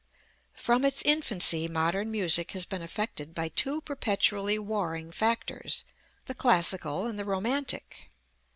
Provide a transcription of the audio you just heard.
From its infancy modern music has been affected by two perpetually warring factors, the Classical and the Romantic.